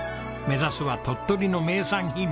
目指すは鳥取の名産品！